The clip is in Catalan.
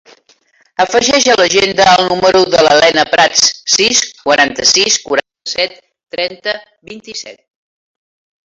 Afegeix a l'agenda el número de la Helena Prats: sis, quaranta-sis, quaranta-set, trenta, vint-i-set.